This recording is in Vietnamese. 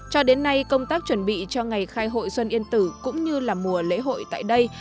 cho đến nay công tác chuẩn bị cho ngày khai hội xuân yên tử cũng như là mùa lễ hội tại đây